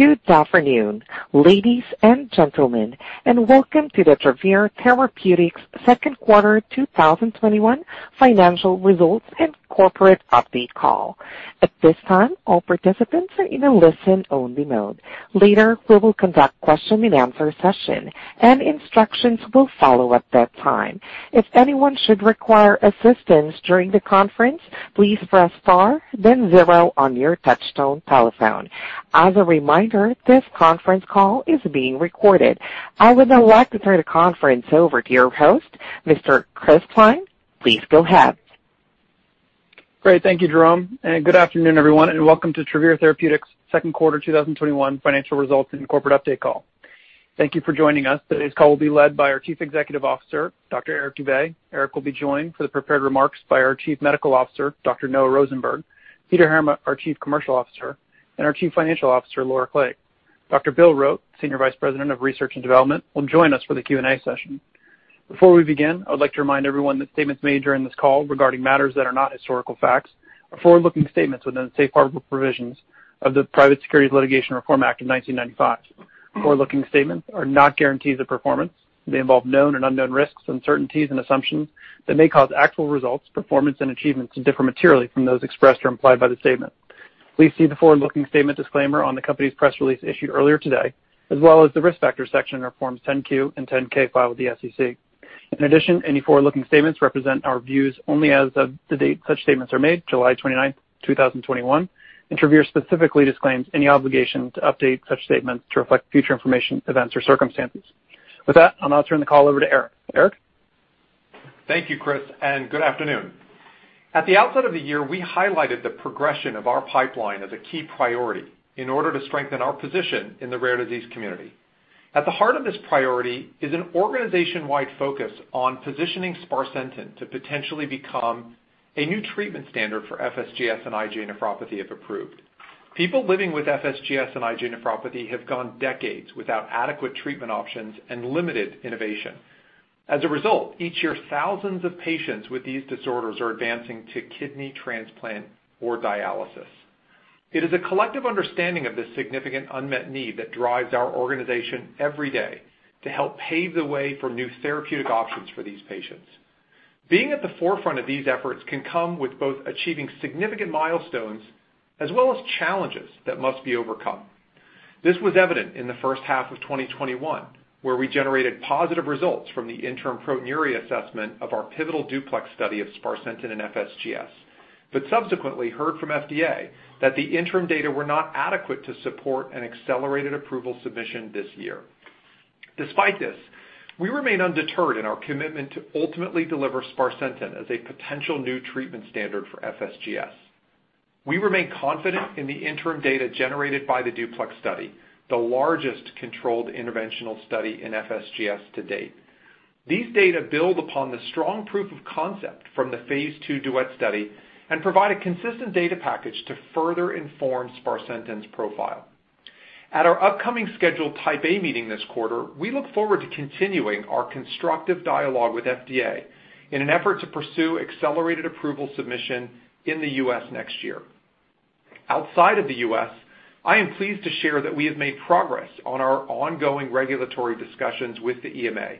Good afternoon, ladies and gentlemen, and welcome to the Travere Therapeutics Second Quarter 2021 Financial Results and Corporate Update Call. At this time, all participants are in a listen-only mode. Later, we will conduct question-and-answer session, and instructions will follow at that time. If anyone should require assistance during the conference, please press star then zero on your touchtone telephone. As a reminder, this conference call is being recorded. I would now like to turn the conference over to your host, Mr. Chris Cline. Please go ahead. Great. Thank you, Jerome, good afternoon, everyone, welcome to Travere Therapeutics second quarter 2021 financial results and corporate update call. Thank you for joining us. Today's call will be led by our Chief Executive Officer, Dr. Eric Dube. Eric will be joined for the prepared remarks by our Chief Medical Officer, Dr. Noah Rosenberg, Peter Heerma, our Chief Commercial Officer, our Chief Financial Officer, Laura Clague. Dr. William Rote, Senior Vice President of Research and Development, will join us for the Q&A session. Before we begin, I would like to remind everyone that statements made during this call regarding matters that are not historical facts are forward-looking statements within the safe harbor provisions of the Private Securities Litigation Reform Act of 1995. Forward-looking statements are not guarantees of performance. They involve known and unknown risks, uncertainties and assumptions that may cause actual results, performance, and achievements to differ materially from those expressed or implied by the statement. Please see the forward-looking statement disclaimer on the company's press release issued earlier today, as well as the Risk Factors section in our forms 10-Q and 10-K filed with the SEC. In addition, any forward-looking statements represent our views only as of the date such statements are made, July 29th, 2021, and Travere specifically disclaims any obligation to update such statements to reflect future information, events, or circumstances. With that, I'll now turn the call over to Eric. Eric? Thank you, Chris, and good afternoon. At the outset of the year, we highlighted the progression of our pipeline as a key priority in order to strengthen our position in the rare disease community. At the heart of this priority is an organization-wide focus on positioning sparsentan to potentially become a new treatment standard for FSGS and IgA nephropathy, if approved. People living with FSGS and IgA nephropathy have gone decades without adequate treatment options and limited innovation. As a result, each year, thousands of patients with these disorders are advancing to kidney transplant or dialysis. It is a collective understanding of this significant unmet need that drives our organization every day to help pave the way for new therapeutic options for these patients. Being at the forefront of these efforts can come with both achieving significant milestones as well as challenges that must be overcome. This was evident in the first half of 2021, where we generated positive results from the interim proteinuria assessment of our pivotal DUPLEX study of sparsentan in FSGS. Subsequently, we heard from FDA that the interim data were not adequate to support an accelerated approval submission this year. Despite this, we remain undeterred in our commitment to ultimately deliver sparsentan as a potential new treatment standard for FSGS. We remain confident in the interim data generated by the DUPLEX study, the largest controlled interventional study in FSGS to date. These data build upon the strong proof of concept from the phase II DUET study and provide a consistent data package to further inform sparsentan's profile. At our upcoming scheduled Type A meeting this quarter, we look forward to continuing our constructive dialogue with FDA in an effort to pursue accelerated approval submission in the U.S. next year. Outside of the U.S., I am pleased to share that we have made progress on our ongoing regulatory discussions with the EMA.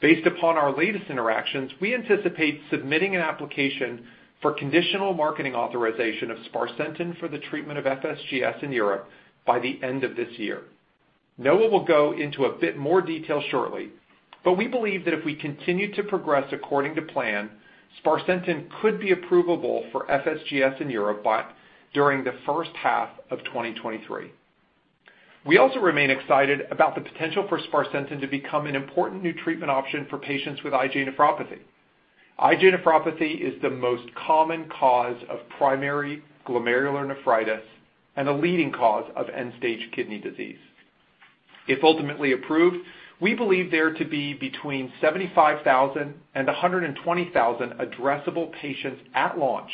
Based upon our latest interactions, we anticipate submitting an application for conditional marketing authorization of sparsentan for the treatment of FSGS in Europe by the end of this year. Noah will go into a bit more detail shortly, we believe that if we continue to progress according to plan, sparsentan could be approvable for FSGS in Europe during the first half of 2023. We also remain excited about the potential for sparsentan to become an important new treatment option for patients with IgA nephropathy. IgA nephropathy is the most common cause of primary glomerulonephritis and a leading cause of end-stage kidney disease. If ultimately approved, we believe there to be between 75,000 and 120,000 addressable patients at launch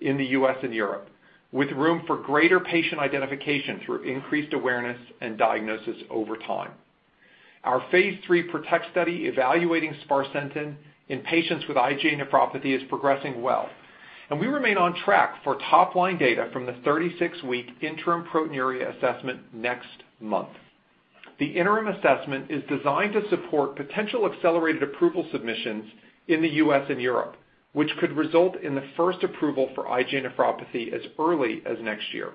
in the U.S. and Europe, with room for greater patient identification through increased awareness and diagnosis over time. Our phase III PROTECT study evaluating sparsentan in patients with IgA nephropathy is progressing well, and we remain on track for top-line data from the 36-week interim proteinuria assessment next month. The interim assessment is designed to support potential accelerated approval submissions in the U.S. and Europe, which could result in the first approval for IgA nephropathy as early as next year.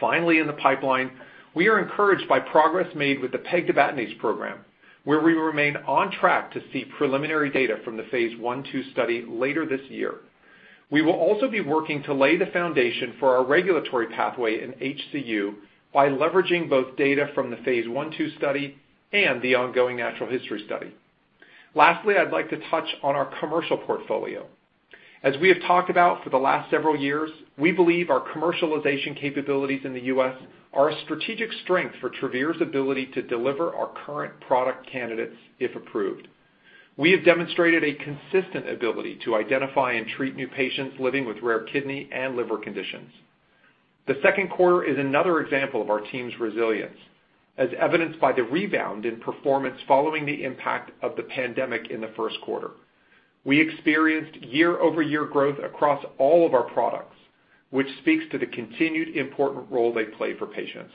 Finally, in the pipeline, we are encouraged by progress made with the pegtibatinase program, where we remain on track to see preliminary data from the phase I-II study later this year. We will also be working to lay the foundation for our regulatory pathway in HCU by leveraging both data from the phase I-II study and the ongoing natural history study. I'd like to touch on our commercial portfolio. As we have talked about for the last several years, we believe our commercialization capabilities in the U.S. are a strategic strength for Travere's ability to deliver our current product candidates, if approved. We have demonstrated a consistent ability to identify and treat new patients living with rare kidney and liver conditions. The second quarter is another example of our team's resilience, as evidenced by the rebound in performance following the impact of the pandemic in the first quarter. We experienced year-over-year growth across all of our products, which speaks to the continued important role they play for patients.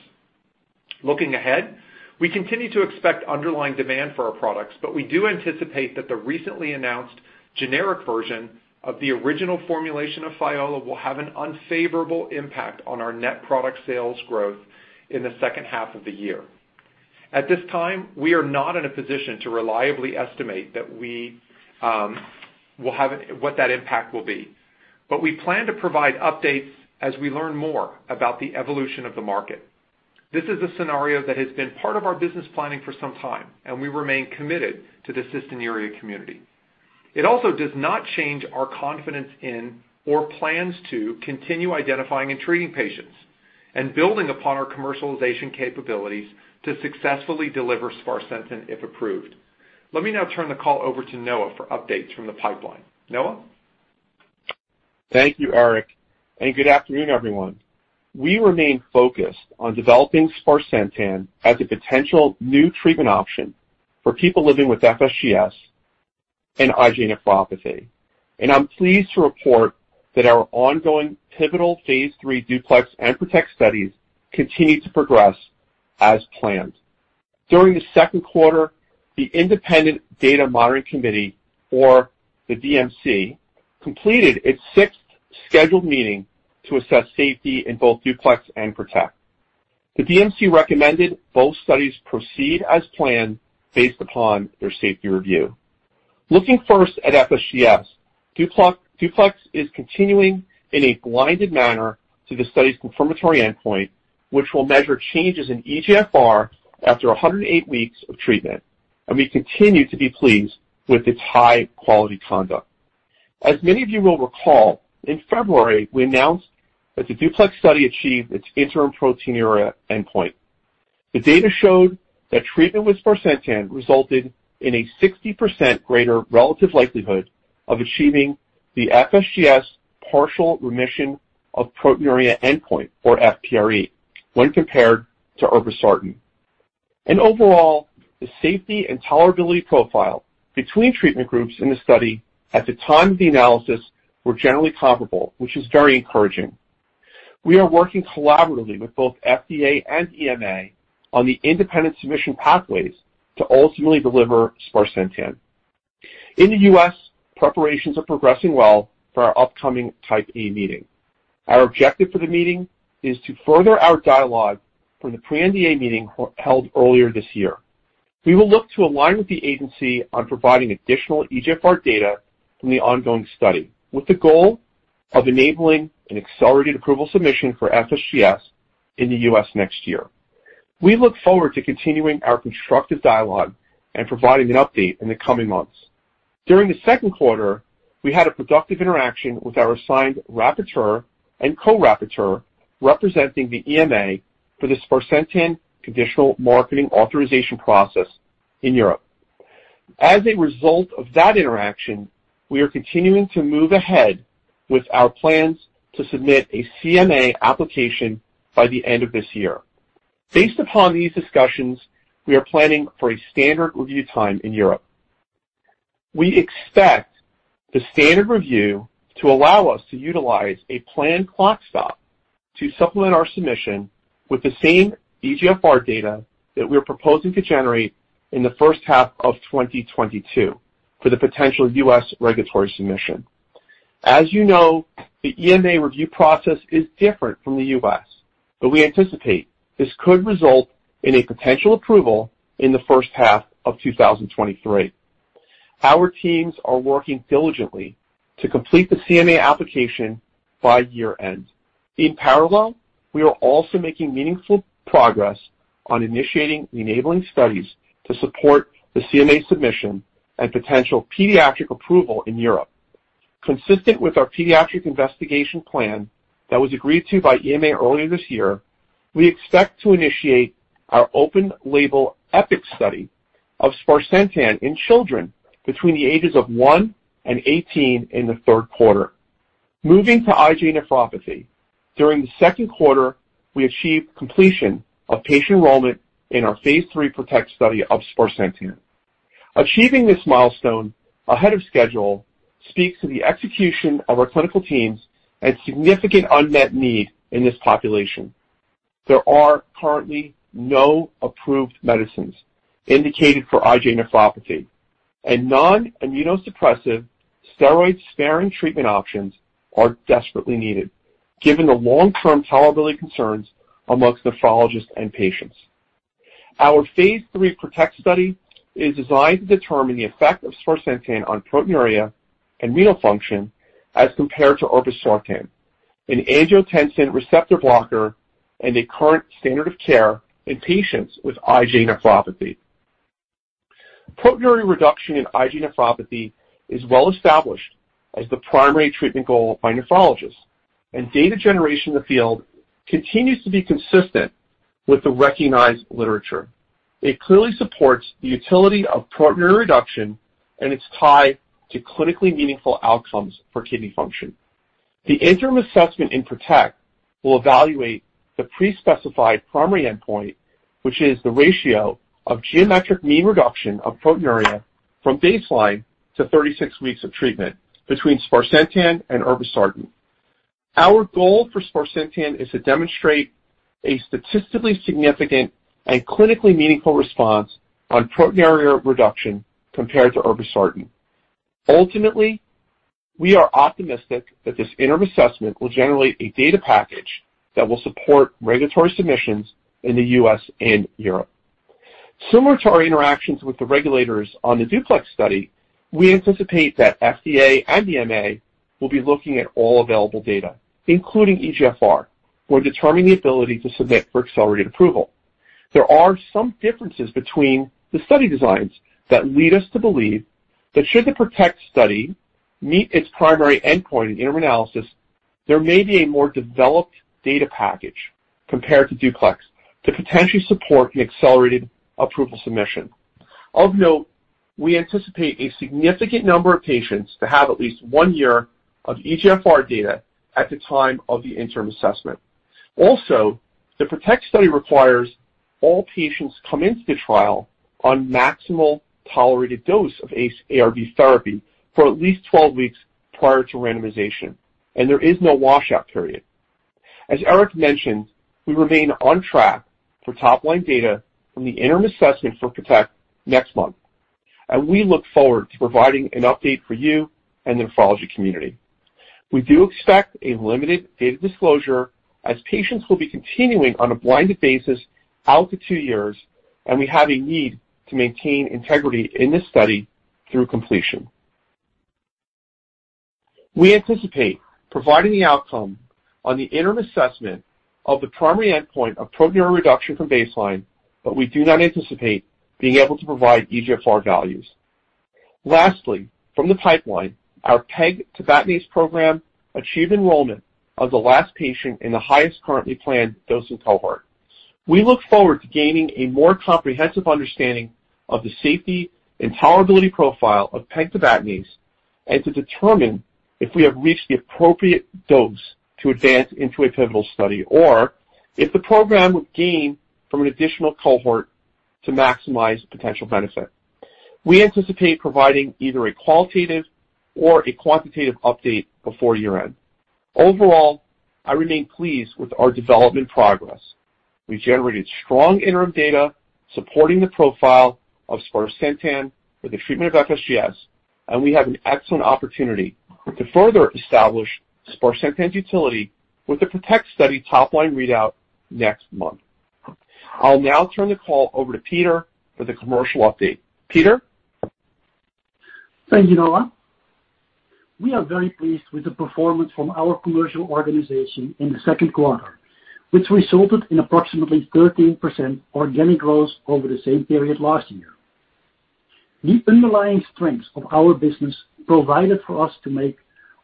Looking ahead, we continue to expect underlying demand for our products, but we do anticipate that the recently announced generic version of the original formulation of Thiola will have an unfavorable impact on our net product sales growth in the second half of the year. At this time, we are not in a position to reliably estimate what that impact will be, but we plan to provide updates as we learn more about the evolution of the market. This is a scenario that has been part of our business planning for some time, and we remain committed to the cystinuria community. It also does not change our confidence in, or plans to, continue identifying and treating patients and building upon our commercialization capabilities to successfully deliver sparsentan if approved. Let me now turn the call over to Noah for updates from the pipeline. Noah? Thank you, Eric. Good afternoon, everyone. We remain focused on developing sparsentan as a potential new treatment option for people living with FSGS and IgA nephropathy. I'm pleased to report that our ongoing pivotal phase III DUPLEX and PROTECT studies continue to progress as planned. During the second quarter, the independent Data Monitoring Committee, or the DMC, completed its sixth scheduled meeting to assess safety in both DUPLEX and PROTECT. The DMC recommended both studies proceed as planned based upon their safety review. Looking first at FSGS, DUPLEX is continuing in a blinded manner to the study's confirmatory endpoint, which will measure changes in eGFR after 108 weeks of treatment, and we continue to be pleased with its high-quality conduct. As many of you will recall, in February, we announced that the DUPLEX study achieved its interim proteinuria endpoint. The data showed that treatment with sparsentan resulted in a 60% greater relative likelihood of achieving the FSGS partial remission of proteinuria endpoint, or FPRE, when compared to irbesartan. Overall, the safety and tolerability profile between treatment groups in the study at the time of the analysis were generally comparable, which is very encouraging. We are working collaboratively with both FDA and EMA on the independent submission pathways to ultimately deliver sparsentan. In the U.S., preparations are progressing well for our upcoming Type A meeting. Our objective for the meeting is to further our dialogue from the pre-NDA meeting held earlier this year. We will look to align with the agency on providing additional eGFR data from the ongoing study, with the goal of enabling an accelerated approval submission for FSGS in the U.S. next year. We look forward to continuing our constructive dialogue and providing an update in the coming months. During the second quarter, we had a productive interaction with our assigned rapporteur and co-rapporteur, representing the EMA for the sparsentan conditional marketing authorization process in Europe. As a result of that interaction, we are continuing to move ahead with our plans to submit a CMA application by the end of this year. Based upon these discussions, we are planning for a standard review time in Europe. We expect the standard review to allow us to utilize a planned clock stop to supplement our submission with the same eGFR data that we are proposing to generate in the first half of 2022 for the potential U.S. regulatory submission. As you know, the EMA review process is different from the U.S., we anticipate this could result in a potential approval in the first half of 2023. Our teams are working diligently to complete the CMA application by year-end. In parallel, we are also making meaningful progress on initiating enabling studies to support the CMA submission and potential pediatric approval in Europe. Consistent with our Paediatric Investigation Plan that was agreed to by EMA earlier this year, we expect to initiate our open-label EPIC study of sparsentan in children between the ages of one and 18 in the third quarter. Moving to IgA nephropathy. During the second quarter, we achieved completion of patient enrollment in our phase III PROTECT study of sparsentan. Achieving this milestone ahead of schedule speaks to the execution of our clinical teams and significant unmet need in this population. There are currently no approved medicines indicated for IgA nephropathy, and non-immunosuppressive steroid-sparing treatment options are desperately needed, given the long-term tolerability concerns amongst nephrologists and patients. Our phase III PROTECT study is designed to determine the effect of sparsentan on proteinuria and renal function as compared to irbesartan, an angiotensin receptor blocker and a current standard of care in patients with IgA nephropathy. Proteinuria reduction in IgA nephropathy is well established as the primary treatment goal by nephrologists, and data generation in the field continues to be consistent with the recognized literature. It clearly supports the utility of proteinuria reduction and its tie to clinically meaningful outcomes for kidney function. The interim assessment in PROTECT will evaluate the pre-specified primary endpoint, which is the ratio of geometric mean reduction of proteinuria from baseline to 36 weeks of treatment between sparsentan and irbesartan. Our goal for sparsentan is to demonstrate a statistically significant and clinically meaningful response on proteinuria reduction compared to irbesartan. Ultimately, we are optimistic that this interim assessment will generate a data package that will support regulatory submissions in the U.S. and Europe. Similar to our interactions with the regulators on the DUPLEX study, we anticipate that FDA and EMA will be looking at all available data, including eGFR, for determining the ability to submit for accelerated approval. There are some differences between the study designs that lead us to believe that should the PROTECT study meet its primary endpoint in interim analysis, there may be a more developed data package compared to DUPLEX to potentially support the accelerated approval submission. Of note, we anticipate a significant number of patients to have at least 1 year of eGFR data at the time of the interim assessment. The PROTECT study requires all patients come into the trial on maximal tolerated dose of ACE/ARB therapy for at least 12 weeks prior to randomization, and there is no washout period. As Eric mentioned, we remain on track for top-line data from the interim assessment for PROTECT next month, and we look forward to providing an update for you and the nephrology community. We do expect a limited data disclosure as patients will be continuing on a blinded basis out to two years, and we have a need to maintain integrity in this study through completion. We anticipate providing the outcome on the interim assessment of the primary endpoint of proteinuria reduction from baseline, but we do not anticipate being able to provide eGFR values. Lastly, from the pipeline, our pegtibatinase program achieved enrollment of the last patient in the highest currently planned dosing cohort. We look forward to gaining a more comprehensive understanding of the safety and tolerability profile of pegtibatinase and to determine if we have reached the appropriate dose to advance into a pivotal study, or if the program would gain from an additional cohort to maximize potential benefit. We anticipate providing either a qualitative or a quantitative update before year-end. Overall, I remain pleased with our development progress. We generated strong interim data supporting the profile of sparsentan for the treatment of FSGS, and we have an excellent opportunity to further establish sparsentan's utility with the PROTECT study top-line readout next month. I'll now turn the call over to Peter for the commercial update. Peter? Thank you, Noah. We are very pleased with the performance from our commercial organization in the second quarter, which resulted in approximately 13% organic growth over the same period last year. The underlying strengths of our business provided for us to make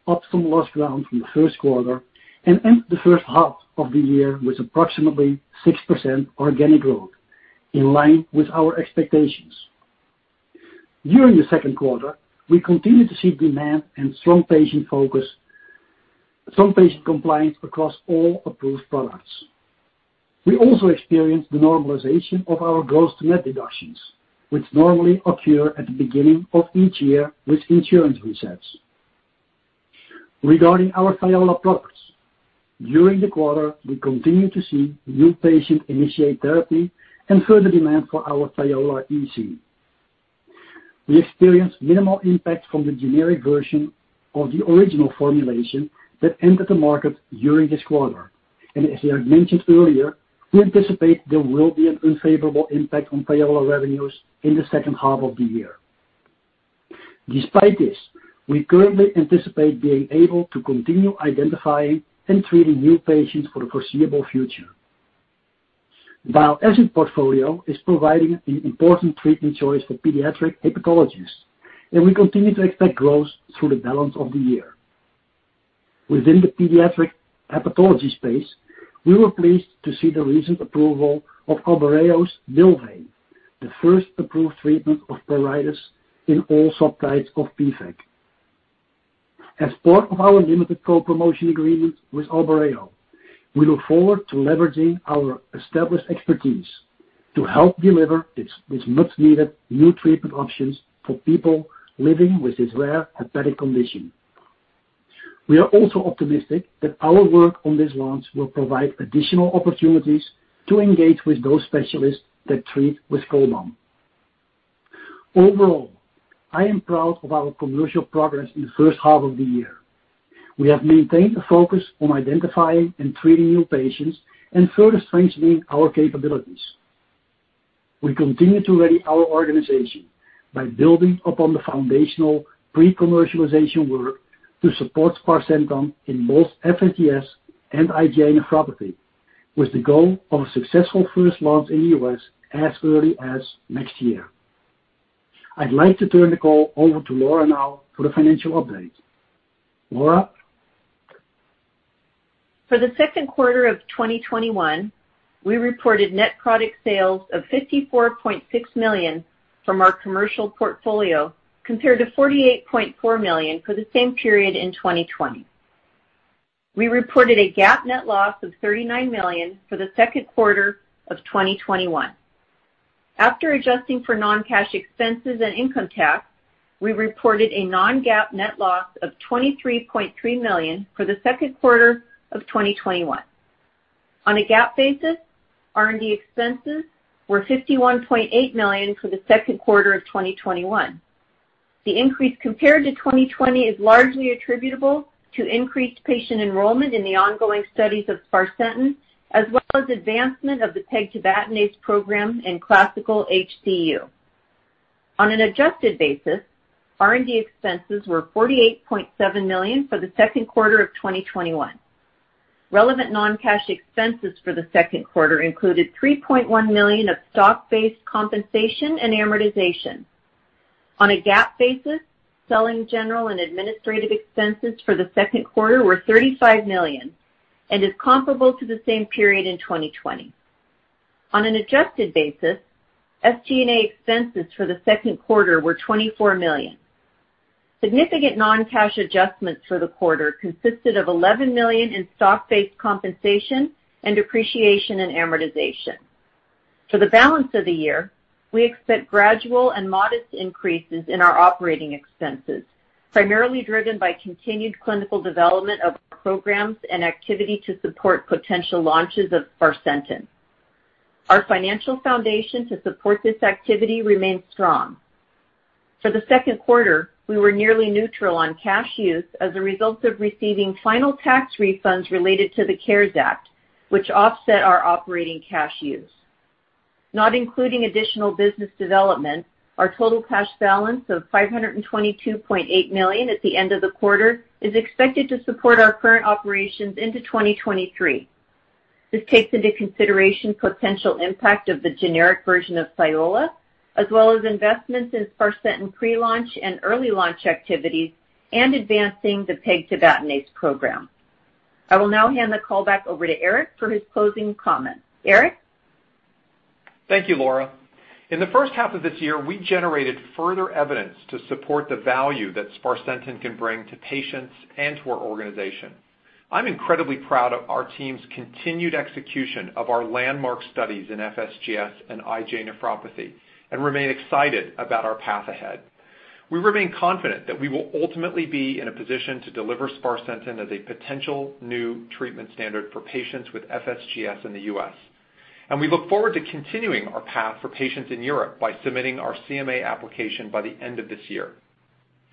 optimal lost ground from the first quarter and end the first half of the year with approximately 6% organic growth, in line with our expectations. During the second quarter, we continued to see demand and strong patient compliance across all approved products. We also experienced the normalization of our gross to net reductions, which normally occur at the beginning of each year with insurance resets. Regarding our Thiola products, during the quarter, we continued to see new patients initiate therapy and further demand for our Thiola EC. We experienced minimal impact from the generic version of the original formulation that entered the market during this quarter. As Eric mentioned earlier, we anticipate there will be an unfavorable impact on Thiola revenues in the second half of the year. Despite this, we currently anticipate being able to continue identifying and treating new patients for the foreseeable future. The bile acid portfolio is providing an important treatment choice for pediatric hepatologists, and we continue to expect growth through the balance of the year. Within the pediatric hepatology space, we were pleased to see the recent approval of Albireo's BYLVAY, the first approved treatment of pruritus in all subtypes of PFIC. As part of our limited co-promotion agreement with Albireo, we look forward to leveraging our established expertise to help deliver this much-needed new treatment options for people living with this rare hepatic condition. We are also optimistic that our work on this launch will provide additional opportunities to engage with those specialists that treat with Cholbam. Overall, I am proud of our commercial progress in the first half of the year. We have maintained a focus on identifying and treating new patients and further strengthening our capabilities. We continue to ready our organization by building upon the foundational pre-commercialization work to support sparsentan in both FSGS and IgA nephropathy with the goal of a successful first launch in the U.S. as early as next year. I'd like to turn the call over to Laura now for the financial update. Laura? For the second quarter of 2021, we reported net product sales of $54.6 million from our commercial portfolio, compared to $48.4 million for the same period in 2020. We reported a GAAP net loss of $39 million for the second quarter of 2021. After adjusting for non-cash expenses and income tax, we reported a non-GAAP net loss of $23.3 million for the second quarter of 2021. On a GAAP basis, R&D expenses were $51.8 million for the second quarter of 2021. The increase compared to 2020 is largely attributable to increased patient enrollment in the ongoing studies of sparsentan, as well as advancement of the pegtibatinase program in classical HCU. On an adjusted basis, R&D expenses were $48.7 million for the second quarter of 2021. Relevant non-cash expenses for the second quarter included $3.1 million of stock-based compensation and amortization. On a GAAP basis, selling, general, and administrative expenses for the second quarter were $35 million and is comparable to the same period in 2020. On an adjusted basis, SG&A expenses for the second quarter were $24 million. Significant non-cash adjustments for the quarter consisted of $11 million in stock-based compensation and depreciation and amortization. For the balance of the year, we expect gradual and modest increases in our operating expenses, primarily driven by continued clinical development of programs and activity to support potential launches of sparsentan. Our financial foundation to support this activity remains strong. For the second quarter, we were nearly neutral on cash use as a result of receiving final tax refunds related to the CARES Act, which offset our operating cash use. Not including additional business development, our total cash balance of $522.8 million at the end of the quarter is expected to support our current operations into 2023. This takes into consideration potential impact of the generic version of Thiola, as well as investments in sparsentan pre-launch and early launch activities, and advancing the pegtibatinase program. I will now hand the call back over to Eric for his closing comments. Eric? Thank you, Laura. In the first half of this year, we generated further evidence to support the value that sparsentan can bring to patients and to our organization. I'm incredibly proud of our team's continued execution of our landmark studies in FSGS and IgA nephropathy and remain excited about our path ahead. We remain confident that we will ultimately be in a position to deliver sparsentan as a potential new treatment standard for patients with FSGS in the U.S. We look forward to continuing our path for patients in Europe by submitting our CMA application by the end of this year.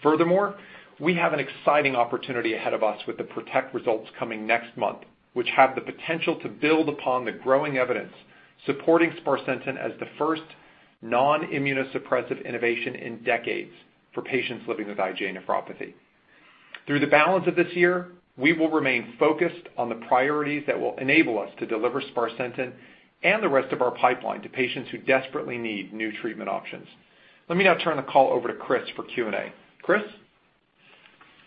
Furthermore, we have an exciting opportunity ahead of us with the PROTECT results coming next month, which have the potential to build upon the growing evidence supporting sparsentan as the first non-immunosuppressive innovation in decades for patients living with IgA nephropathy. Through the balance of this year, we will remain focused on the priorities that will enable us to deliver sparsentan and the rest of our pipeline to patients who desperately need new treatment options. Let me now turn the call over to Chris for Q&A. Chris?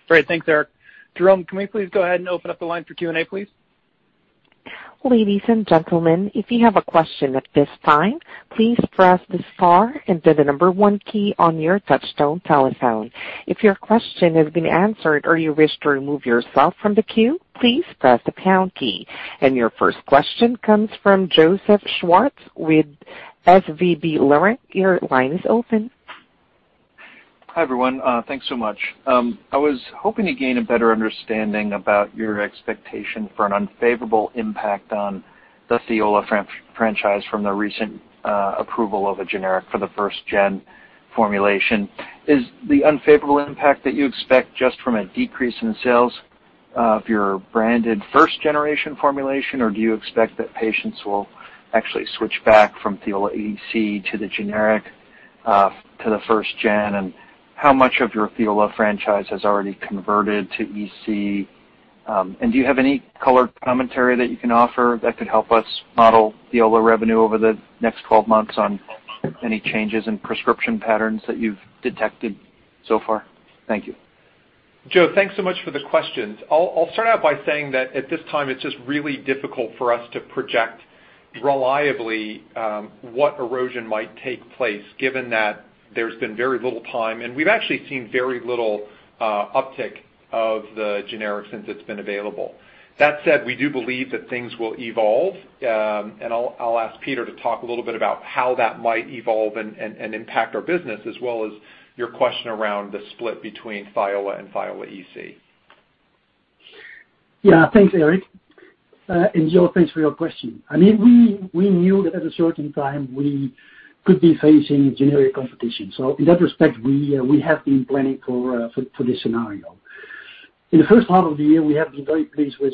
Great. Thanks, Eric. Jerome, can we please go ahead and open up the line for Q&A, please? Your first question comes from Joseph Schwartz with SVB Leerink. Your line is open. Hi, everyone. Thanks so much. I was hoping to gain a better understanding about your expectation for an unfavorable impact on the Thiola franchise from the recent approval of a generic for the first-gen formulation. Is the unfavorable impact that you expect just from a decrease in sales of your branded first-generation formulation, or do you expect that patients will actually switch back from Thiola EC to the generic, to the first gen? How much of your Thiola franchise has already converted to EC? Do you have any color commentary that you can offer that could help us model Thiola revenue over the next 12 months on any changes in prescription patterns that you've detected so far? Thank you. Joe, thanks so much for the questions. I'll start out by saying that at this time, it's just really difficult for us to project reliably what erosion might take place given that there's been very little time, and we've actually seen very little uptick of the generic since it's been available. That said, we do believe that things will evolve. I'll ask Peter to talk a little bit about how that might evolve and impact our business as well as your question around the split between Thiola and Thiola EC. Thanks, Eric. Joe, thanks for your question. We knew that at a certain time we could be facing generic competition. In that respect, we have been planning for this scenario. In the first half of the year, we have been very pleased with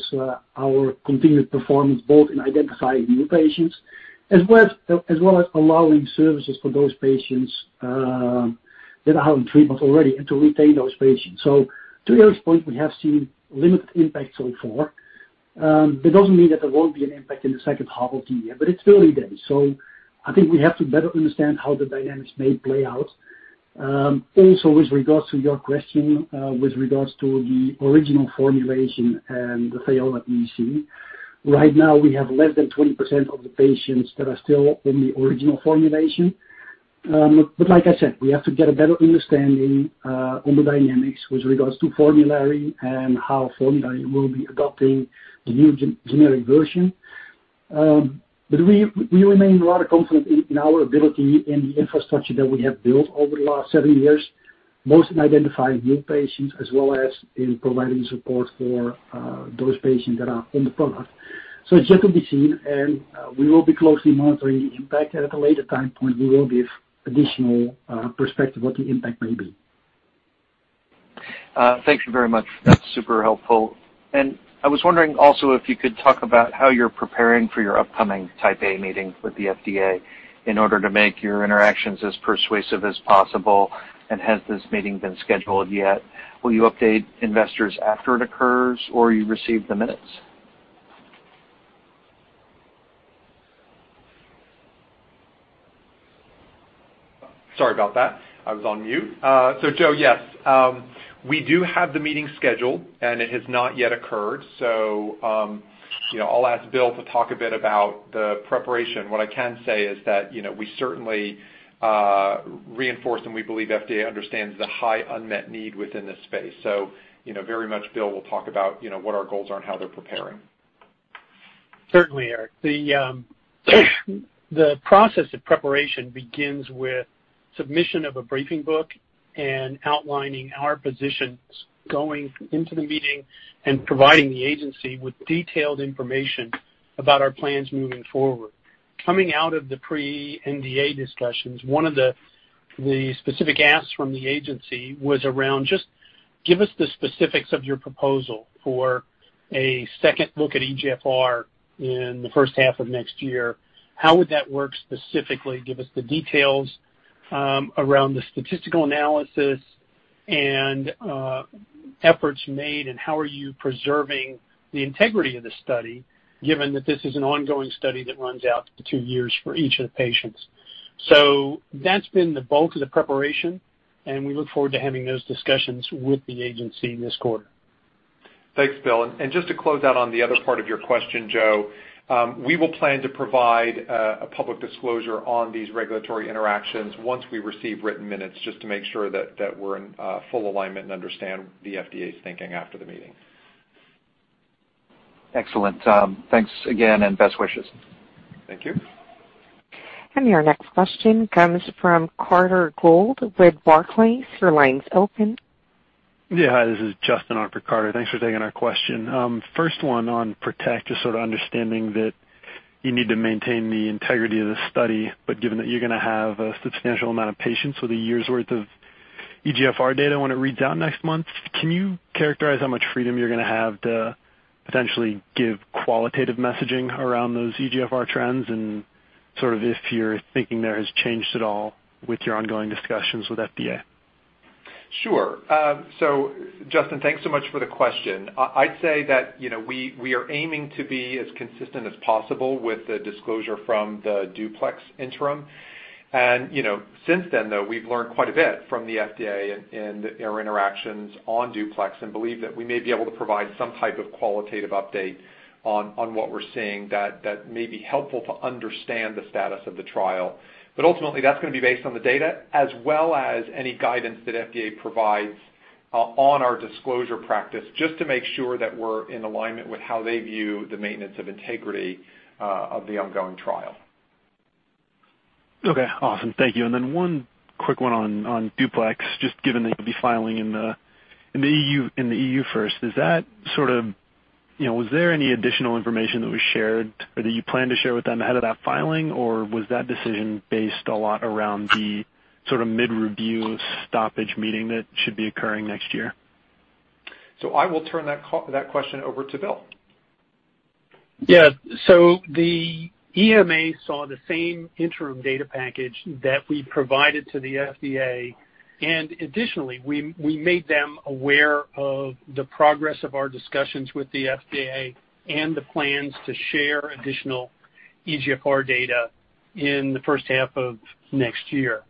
our continued performance, both in identifying new patients as well as allowing services for those patients that are having treatments already and to retain those patients. To Eric's point, we have seen limited impact so far. That doesn't mean that there won't be an impact in the second half of the year, but it's early days. I think we have to better understand how the dynamics may play out. Also with regards to your question with regards to the original formulation and the Thiola EC. Right now, we have less than 20% of the patients that are still in the original formulation. Like I said, we have to get a better understanding on the dynamics with regards to formulary and how formulary will be adopting the new generic version. We remain a lot of confident in our ability in the infrastructure that we have built over the last several years, mostly in identifying new patients as well as in providing support for those patients that are on the product. It's yet to be seen, and we will be closely monitoring the impact. At a later time point, we will give additional perspective what the impact may be. Thank you very much. That's super helpful. I was wondering also if you could talk about how you're preparing for your upcoming Type A meeting with the FDA in order to make your interactions as persuasive as possible. Has this meeting been scheduled yet? Will you update investors after it occurs, or you receive the minutes? Sorry about that. I was on mute. Joe, yes. We do have the meeting scheduled, and it has not yet occurred. I'll ask Bill to talk a bit about the preparation. What I can say is that we certainly reinforce, and we believe FDA understands the high unmet need within this space. Very much Bill will talk about what our goals are and how they're preparing. Certainly, Eric. The process of preparation begins with submission of a briefing book and outlining our positions going into the meeting and providing the agency with detailed information about our plans moving forward. Coming out of the pre-NDA discussions, one of the specific asks from the agency was around just give us the specifics of your proposal for a second look at eGFR in the first half of next year. How would that work specifically? Give us the details around the statistical analysis and efforts made, and how are you preserving the integrity of the study, given that this is an ongoing study that runs out to two years for each of the patients. That's been the bulk of the preparation, and we look forward to having those discussions with the agency this quarter. Thanks, Bill. Just to close out on the other part of your question, Joe, we will plan to provide a public disclosure on these regulatory interactions once we receive written minutes just to make sure that we're in full alignment and understand the FDA's thinking after the meeting. Excellent. Thanks again and best wishes. Thank you. Your next question comes from Carter Gould with Barclays. Your line's open. Yeah. Hi, this is Justin on for Carter. Thanks for taking our question. First one on PROTECT, just sort of understanding that you need to maintain the integrity of the study, but given that you're going to have a substantial amount of patients with a year's worth of eGFR data when it reads out next month, can you characterize how much freedom you're going to have to potentially give qualitative messaging around those eGFR trends and sort of if your thinking there has changed at all with your ongoing discussions with FDA? Sure. Justin, thanks so much for the question. I'd say that we are aiming to be as consistent as possible with the disclosure from the DUPLEX interim. Since then, though, we've learned quite a bit from the FDA and their interactions on DUPLEX and believe that we may be able to provide some type of qualitative update on what we're seeing that may be helpful to understand the status of the trial. Ultimately, that's going to be based on the data as well as any guidance that FDA provides on our disclosure practice, just to make sure that we're in alignment with how they view the maintenance of integrity of the ongoing trial. Okay, awesome. Thank you. Then one quick one on DUPLEX, just given that you'll be filing in the EU first. Was there any additional information that was shared or that you plan to share with them ahead of that filing, or was that decision based a lot around the sort of mid-review stoppage meeting that should be occurring next year? I will turn that question over to Bill. Yeah. The EMA saw the same interim data package that we provided to the FDA. Additionally, we made them aware of the progress of our discussions with the FDA and the plans to share additional eGFR data in the first half of next year.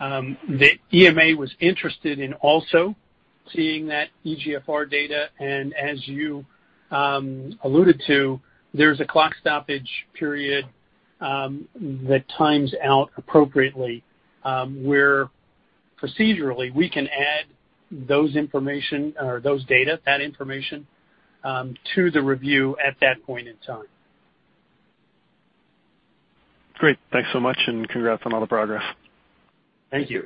The EMA was interested in also seeing that eGFR data. As you alluded to, there's a clock stoppage period that times out appropriately where procedurally we can add that information to the review at that point in time. Great. Thanks so much, and congrats on all the progress. Thank you.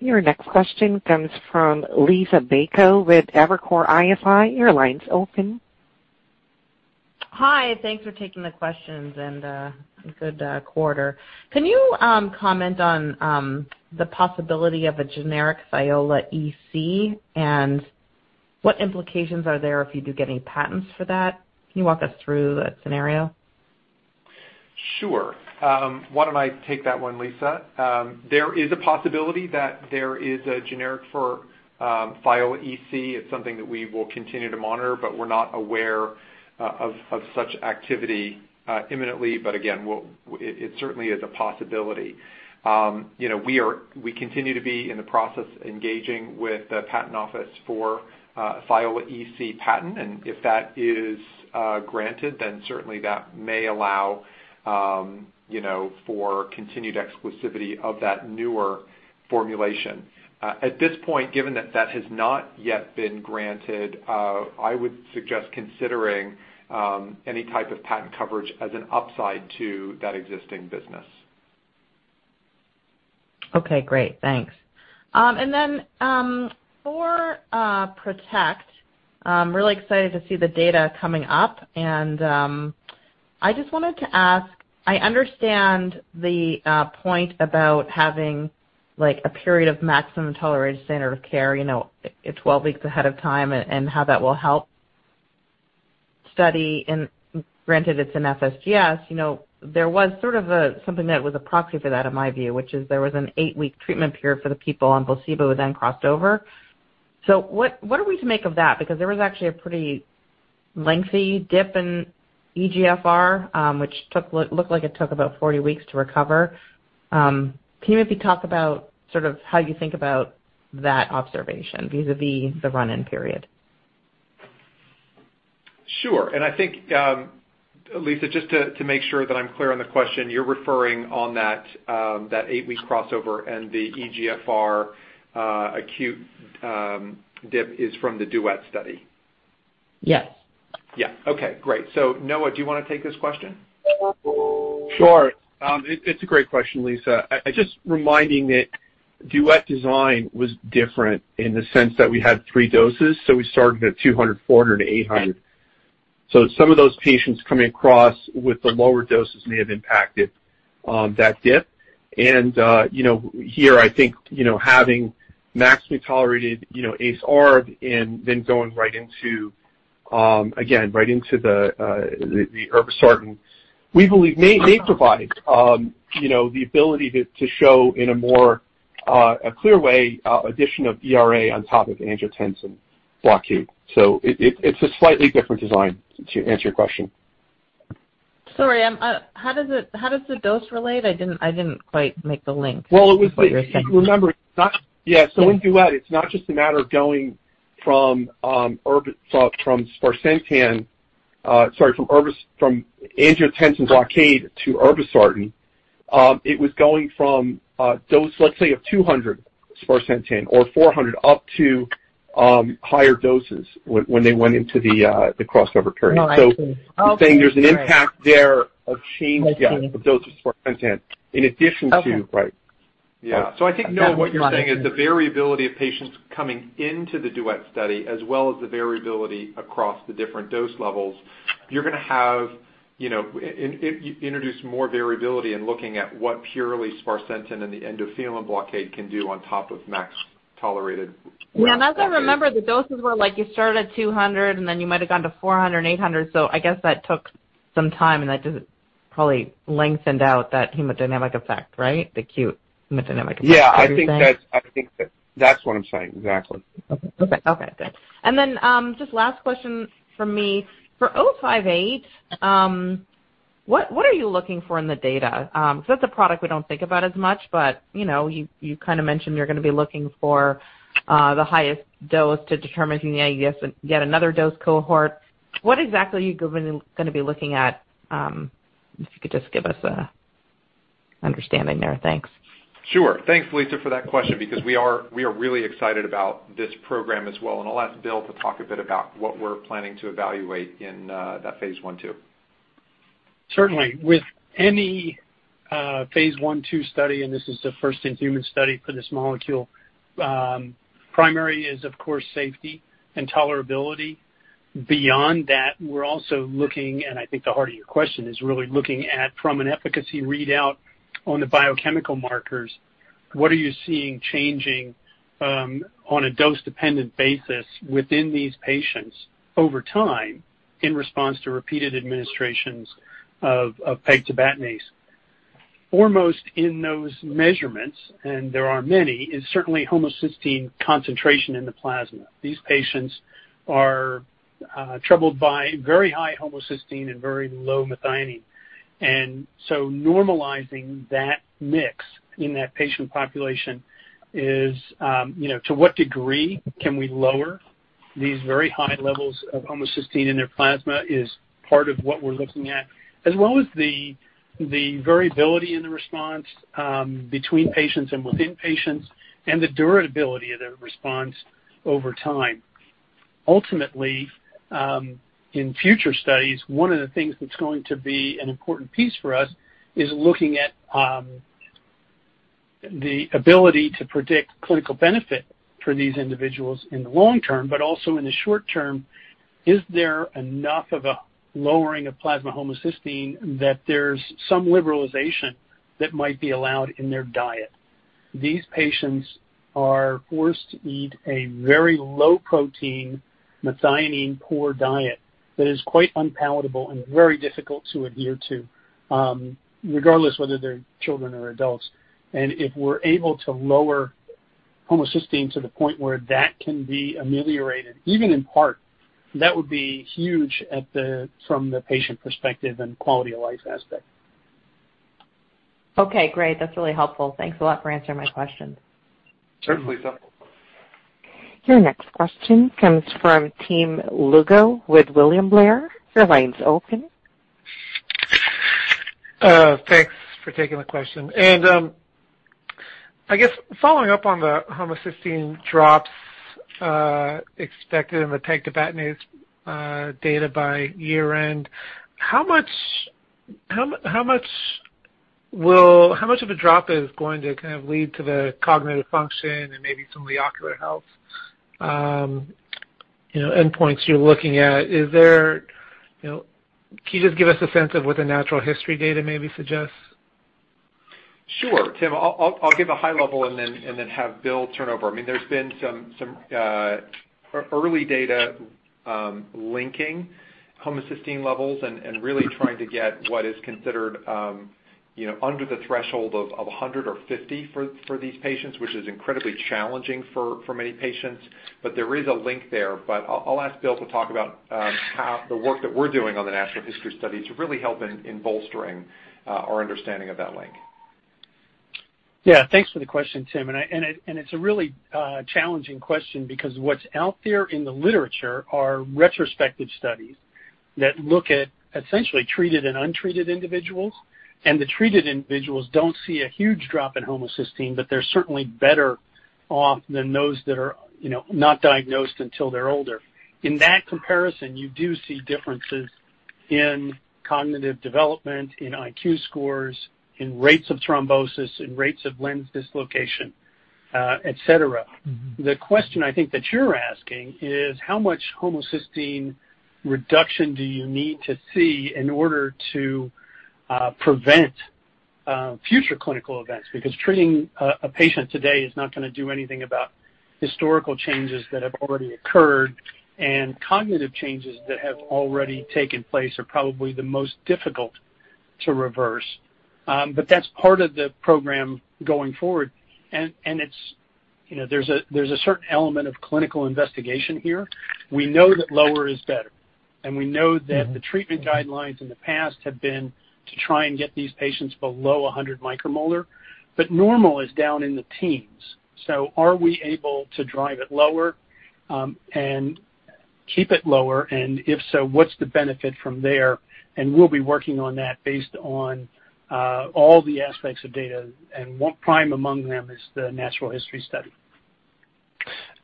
Your next question comes from Liisa Bayko with Evercore ISI. Your line's open. Hi. Thanks for taking the questions and a good quarter. Can you comment on the possibility of a generic Thiola EC? What implications are there if you do get any patents for that? Can you walk us through that scenario? Sure. Why don't I take that one, Liisa? There is a possibility that there is a generic for Thiola EC. It's something that we will continue to monitor, but we're not aware of such activity imminently. Again, it certainly is a possibility. We continue to be in the process of engaging with the patent office for Thiola EC patent, and if that is granted, then certainly that may allow for continued exclusivity of that newer formulation. At this point, given that that has not yet been granted, I would suggest considering any type of patent coverage as an upside to that existing business. Okay, great. Thanks. Then, for PROTECT, I'm really excited to see the data coming up. I just wanted to ask, I understand the point about having a period of maximum tolerated standard of care 12 weeks ahead of time and how that will help study. Granted, it's an FSGS, there was sort of something that was a proxy for that in my view, which is there was an eight-week treatment period for the people on placebo who then crossed over. What are we to make of that? Because there was actually a pretty lengthy dip in eGFR, which looked like it took about 40 weeks to recover. Can you maybe talk about how you think about that observation vis-a-vis the run-in period? Sure. I think, Liisa, just to make sure that I'm clear on the question, you're referring on that 8-week crossover and the eGFR acute dip is from the DUET study? Yes. Yeah. Okay, great. Noah, do you want to take this question? Sure. It's a great question, Liisa. Just reminding that DUET design was different in the sense that we had three doses, so we started at 200, 400, and 800. Some of those patients coming across with the lower doses may have impacted that dip. Here I think, having maximally tolerated ACE/ARB and then going right into, again, right into the irbesartan, may provide the ability to show in a more clear way addition of ERA on top of angiotensin blockade. It's a slightly different design to answer your question. Sorry. How does the dose relate? I didn't quite make the link to what you're saying. Well, remember. Yeah. In DUET, it's not just a matter of going from angiotensin blockade to irbesartan. It was going from a dose, let's say, of 200 sparsentan or 400 up to higher doses when they went into the crossover period. No, I see. Okay. I'm saying there's an impact there of doses sparsentan in addition to it, right. Yeah. I think, Noah, what you're saying is the variability of patients coming into the DUET study as well as the variability across the different dose levels. You're going to introduce more variability in looking at what purely sparsentan and the endothelin blockade can do on top of max tolerated. Yeah. As I remember, the doses were like you started at 200, and then you might've gone to 400, 800. I guess that took some time, and that just probably lengthened out that hemodynamic effect, right? The acute hemodynamic effect. Yeah. I think that's what I'm saying. Exactly. Okay, good. Just last question from me. For TVT-058, what are you looking for in the data? That's a product we don't think about as much, but you kind of mentioned you're going to be looking for the highest dose to determine if you need yet another dose cohort. What exactly are you going to be looking at? If you could just give us an understanding there. Thanks. Sure. Thanks, Liisa, for that question because we are really excited about this program as well. I'll ask Bill to talk a bit about what we're planning to evaluate in that phase I, phase II. Certainly. With any phase I, phaseII study, and this is the first in-human study for this molecule, primary is, of course, safety and tolerability. Beyond that, we're also looking, and I think the heart of your question is really looking at from an efficacy readout on the biochemical markers, what are you seeing changing on a dose-dependent basis within these patients over time in response to repeated administrations of pegtibatinase? Foremost in those measurements, and there are many, is certainly homocysteine concentration in the plasma. These patients are troubled by very high homocysteine and very low methionine. Normalizing that mix in that patient population is to what degree can we lower these very high levels of homocysteine in their plasma is part of what we're looking at. As well as the variability in the response between patients and within patients and the durability of the response over time. Ultimately, in future studies, one of the things that's going to be an important piece for us is looking at the ability to predict clinical benefit for these individuals in the long term, but also in the short term, is there enough of a lowering of plasma homocysteine that there's some liberalization that might be allowed in their diet? These patients are forced to eat a very low-protein, methionine-poor diet that is quite unpalatable and very difficult to adhere to, regardless of whether they're children or adults. If we're able to lower homocysteine to the point where that can be ameliorated, even in part, that would be huge from the patient perspective and quality-of-life aspect. Okay, great. That's really helpful. Thanks a lot for answering my question. Certainly. Your next question comes from Tim Lugo with William Blair. Your line's open. Thanks for taking the question. I guess following up on the homocysteine drops expected in the pegtibatinase data by year-end, how much of a drop is going to lead to the cognitive function and maybe some of the ocular health endpoints you're looking at? Can you just give us a sense of what the natural history data maybe suggests? Sure, Tim. I'll give a high level and then have Bill turn over. There's been some early data linking homocysteine levels and really trying to get what is considered under the threshold of 100 or 50 for these patients, which is incredibly challenging for many patients. There is a link there, but I'll ask Bill to talk about how the work that we're doing on the natural history study is really helping in bolstering our understanding of that link. Yeah. Thanks for the question, Tim. It's a really challenging question because what's out there in the literature are retrospective studies that look at essentially treated and untreated individuals, and the treated individuals don't see a huge drop in homocysteine, but they're certainly better off than those that are not diagnosed until they're older. In that comparison, you do see differences in cognitive development, in IQ scores, in rates of thrombosis, in rates of lens dislocation, et cetera. The question I think that you're asking is how much homocysteine reduction do you need to see in order to prevent future clinical events? Treating a patient today is not going to do anything about historical changes that have already occurred, and cognitive changes that have already taken place are probably the most difficult to reverse. That's part of the program going forward. There's a certain element of clinical investigation here. We know that lower is better. The treatment guidelines in the past have been to try and get these patients below 100 micromolar. Normal is down in the teens. Are we able to drive it lower, and keep it lower? If so, what's the benefit from there? We'll be working on that based on all the aspects of data, and prime among them is the natural history study.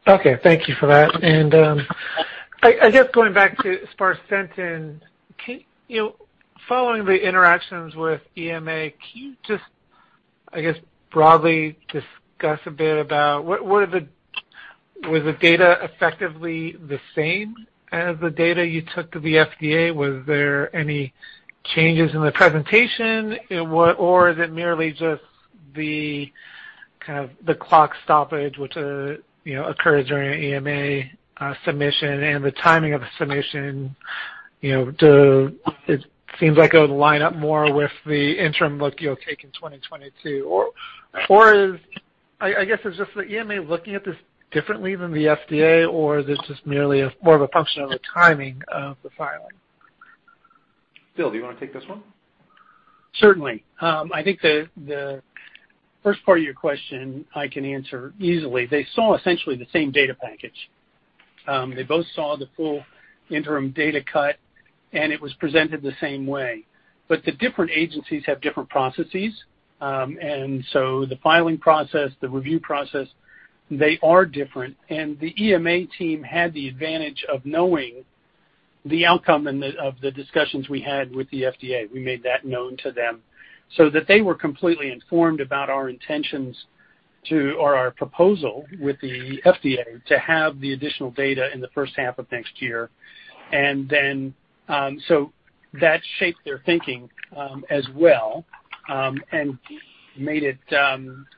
Okay. Thank you for that. I guess going back to sparsentan, following the interactions with EMA, can you just, I guess, broadly discuss a bit about was the data effectively the same as the data you took to the FDA? Was there any changes in the presentation? Is it merely just the clock stoppage, which occurs during an EMA submission and the timing of the submission? It seems like it would line up more with the interim look you'll take in 2022. I guess is the EMA looking at this differently than the FDA, or is this just merely more of a function of the timing of the filing? Bill, do you want to take this one? Certainly. I think the first part of your question I can answer easily. They saw essentially the same data package. They both saw the full interim data cut, and it was presented the same way. The different agencies have different processes. The filing process, the review process, they are different, and the EMA team had the advantage of knowing the outcome of the discussions we had with the FDA. We made that known to them so that they were completely informed about our intentions or our proposal with the FDA to have the additional data in the first half of next year. That shaped their thinking as well and made it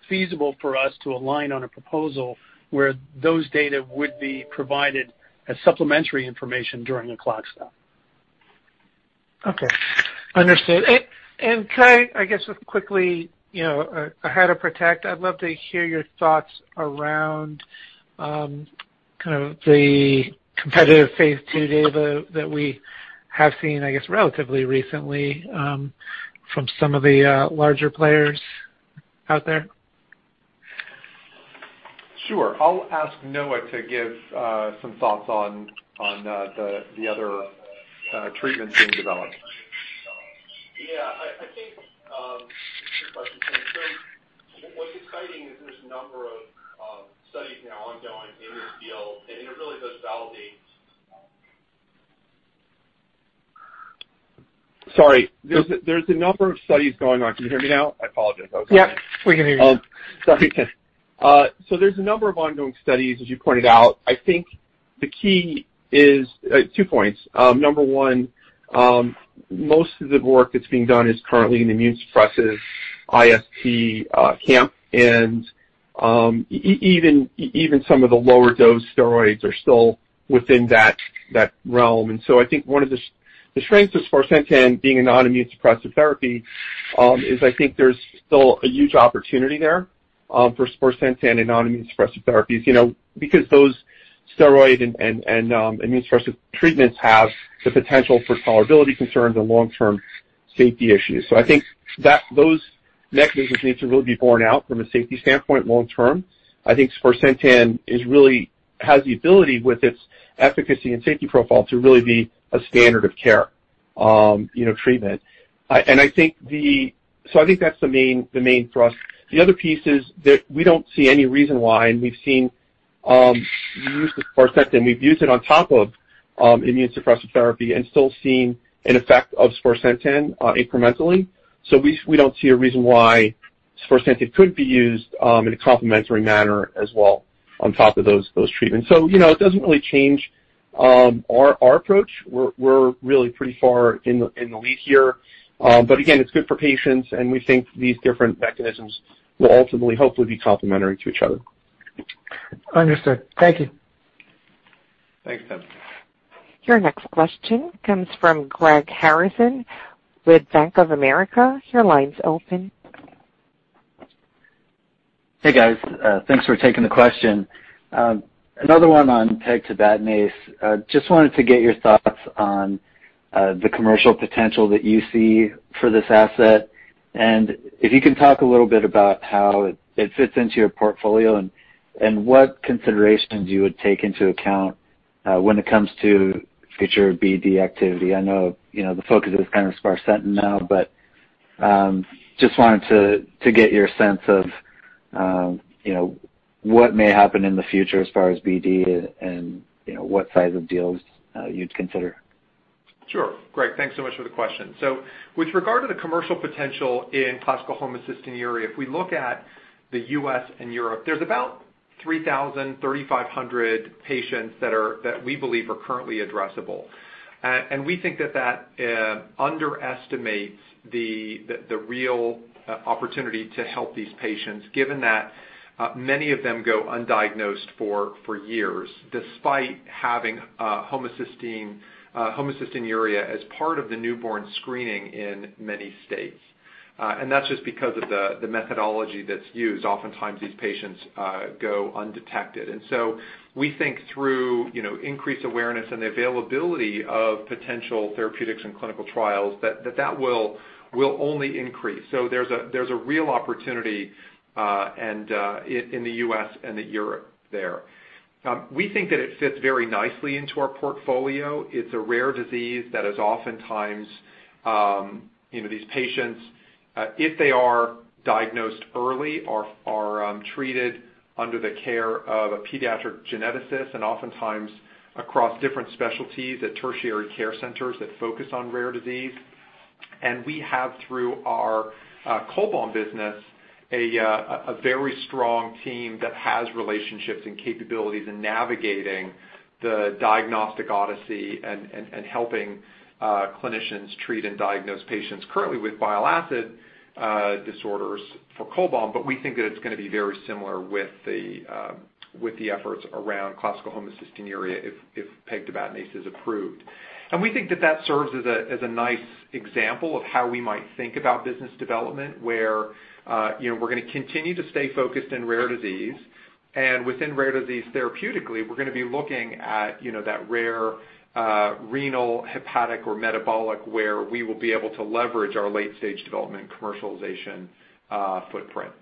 feasible for us to align on a proposal where those data would be provided as supplementary information during the clock stop. Okay. Understood. Could I guess, just quickly, ahead of PROTECT, I'd love to hear your thoughts around the competitive phase II data that we have seen, I guess, relatively recently from some of the larger players out there. Sure. I'll ask Noah to give some thoughts on the other treatments being developed. Yeah, I think, good question, Tim. What's exciting is there's a number of studies now ongoing in this field, and it really does validate. Sorry. There's a number of studies going on. Can you hear me now? I apologize. I was cutting out. Yep. We can hear you. Sorry, Tim. There's a number of ongoing studies, as you pointed out. I think the key is two points. Number one, most of the work that's being done is currently in the immunosuppressive ISP camp, and even some of the lower dose steroids are still within that realm. I think one of the strengths of sparsentan being a non-immunosuppressive therapy is I think there's still a huge opportunity there for sparsentan and non-immunosuppressive therapies. Those steroid and immunosuppressive treatments have the potential for tolerability concerns and long-term safety issues. I think those mechanisms need to really be borne out from a safety standpoint long-term. I think sparsentan really has the ability with its efficacy and safety profile to really be a standard of care treatment. I think that's the main thrust. The other piece is that we don't see any reason why, and we've seen the use of sparsentan. We've used it on top of immunosuppressive therapy and still seen an effect of sparsentan incrementally. We don't see a reason why sparsentan couldn't be used in a complementary manner as well on top of those treatments. It doesn't really change our approach. We're really pretty far in the lead here. Again, it's good for patients, and we think these different mechanisms will ultimately, hopefully, be complementary to each other. Understood. Thank you. Thanks, Tim. Your next question comes from Greg Harrison with Bank of America. Your line's open. Hey, guys. Thanks for taking the question. Another one on pegtibatinase. Just wanted to get your thoughts on the commercial potential that you see for this asset. If you can talk a little bit about how it fits into your portfolio and what considerations you would take into account when it comes to future BD activity. I know the focus is kind of sparsentan now, but just wanted to get your sense of what may happen in the future as far as BD and what size of deals you'd consider. Sure. Greg, thanks so much for the question. With regard to the commercial potential in classical homocystinuria, if we look at the U.S. and Europe, there's about 3,000, 3,500 patients that we believe are currently addressable. We think that underestimates the real opportunity to help these patients, given that many of them go undiagnosed for years, despite having homocystinuria as part of the newborn screening in many states. That's just because of the methodology that's used. Oftentimes, these patients go undetected. We think through increased awareness and the availability of potential therapeutics and clinical trials, that that will only increase. There's a real opportunity in the U.S. and the Europe there. We think that it fits very nicely into our portfolio. It's a rare disease that is oftentimes, these patients, if they are diagnosed early, are treated under the care of a pediatric geneticist and oftentimes across different specialties at tertiary care centers that focus on rare disease. We have, through our Cholbam business, a very strong team that has relationships and capabilities in navigating the diagnostic odyssey and helping clinicians treat and diagnose patients currently with bile acid disorders for Cholbam. We think that it's going to be very similar with the efforts around classical homocystinuria if pegtibatinase is approved. We think that serves as a nice example of how we might think about business development, where we're going to continue to stay focused in rare disease. Within rare disease therapeutically, we're going to be looking at that rare renal, hepatic, or metabolic, where we will be able to leverage our late-stage development commercialization footprint.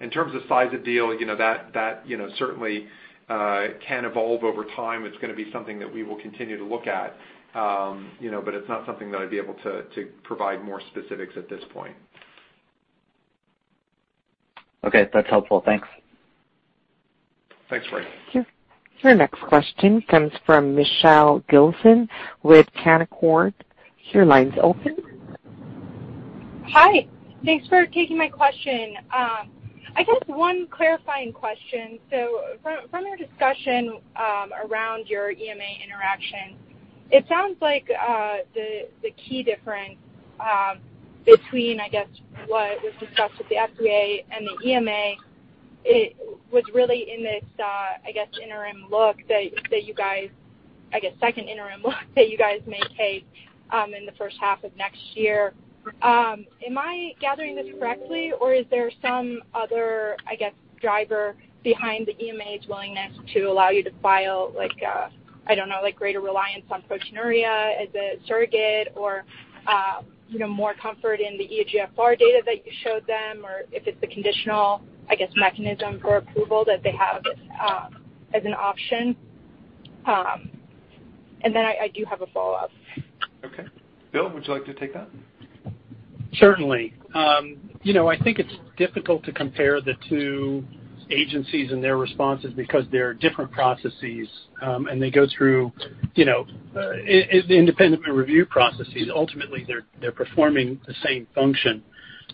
In terms of size of deal, that certainly can evolve over time. It's going to be something that we will continue to look at. It's not something that I'd be able to provide more specifics at this point. Okay. That's helpful. Thanks. Thanks, Greg. Thank you. Your next question comes from Michelle Gilson with Canaccord. Your line's open. Hi. Thanks for taking my question. I guess one clarifying question. From your discussion around your EMA interaction, it sounds like the key difference between, I guess, what was discussed with the FDA and the EMA was really in this, I guess, interim look that you guys, I guess, second interim look that you guys may take in the first half of next year. Am I gathering this correctly, or is there some other, I guess, driver behind the EMA's willingness to allow you to file, I don't know, greater reliance on proteinuria as a surrogate or more comfort in the eGFR data that you showed them, or if it's the conditional, I guess, mechanism for approval that they have as an option? I do have a follow-up. Okay. Bill, would you like to take that? Certainly. I think it's difficult to compare the two agencies and their responses because they're different processes. They go through independent review processes. Ultimately, they're performing the same function.